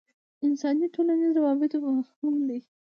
انساني ټولنیزو روابطو مفهوم دی.